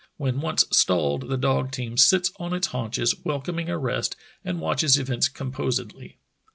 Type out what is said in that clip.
When once stalled the dog team sits on its haunches, welcoming a rest, and watches events composedly.